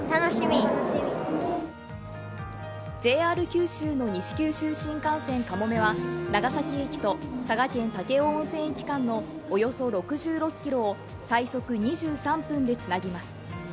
ＪＲ九州の西九州新幹線かもめは長崎駅と佐賀県・武雄温泉駅間のおよそ６６ｋｍを最速２３分でつなぎます。